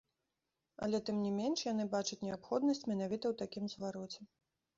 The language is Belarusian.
Але тым не менш, яны бачаць неабходнасць менавіта ў такім звароце.